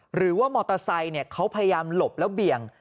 หรือว่ามอเตอร์ไซค์เขาพยายามหลบแล้วเบี่ยง